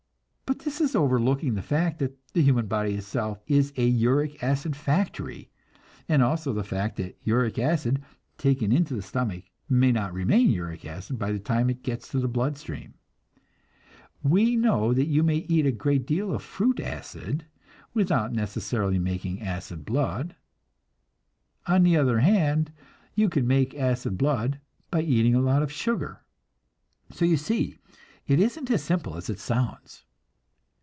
But this is overlooking the fact that the human body itself is a uric acid factory; and also the fact that uric acid taken into the stomach may not remain uric acid by the time it gets to the blood stream. We know that you may eat a great deal of fruit acid without necessarily making acid blood. On the other hand, you can make acid blood by eating a lot of sugar! So you see it isn't as simple as it sounds.